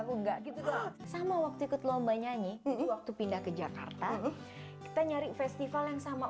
aku enggak gitu tuh sama waktu ikut lomba nyanyi waktu pindah ke jakarta kita nyari festival yang sama